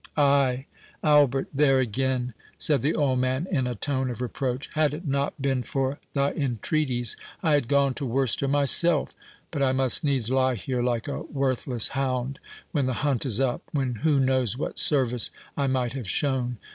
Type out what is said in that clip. "Ay, Albert! there again," said the old man, in a tone of reproach; "had it not been for thy entreaties I had gone to Worcester myself; but I must needs lie here like a worthless hound when the hunt is up, when who knows what service I might have shown?